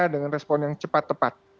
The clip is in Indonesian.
dengan respon yang cepat tepat